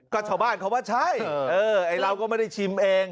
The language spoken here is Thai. ก็ชาวบ้านเขาว่าใช่ไอ้เราก็ไม่ได้ชิมเอง